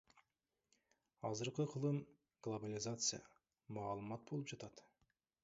Азыркы кылым глобализация, маалымат болуп жатат.